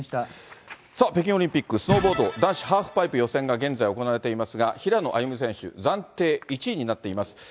さあ、北京オリンピックスノーボード男子ハーフパイプが予選が現在行われていますが、平野歩夢選手、暫定１位になっています。